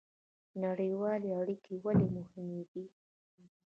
نړیوالې اړیکې ولې مهمې دي؟